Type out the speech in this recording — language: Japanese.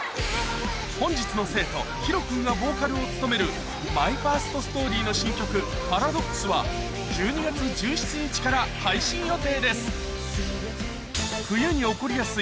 本日の生徒Ｈｉｒｏ君がボーカルを務めるＭＹＦＩＲＳＴＳＴＯＲＹの新曲『ＰＡＲＡＤＯＸ』は１２月１７日から配信予定です